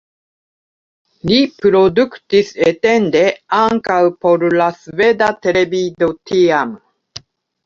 Li produktis etende ankaŭ por la sveda televido tiam.